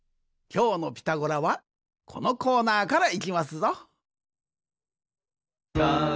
きょうの「ピタゴラ」はこのコーナーからいきますぞ！